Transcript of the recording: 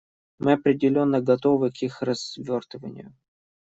Мы определенно готовы к их развертыванию.